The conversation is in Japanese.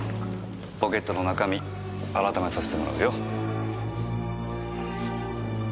ポケットの中身あらためさせてもらうよ。